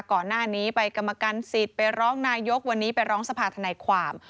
ก่อนหน้านี้ไปกรรมการสิทธิ์ไปร้องนายกวันนี้ไปร้องสภาธนายความ